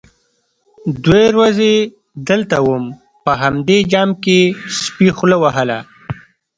_دوې ورځې دلته وم، په همدې جام کې سپي خوله وهله.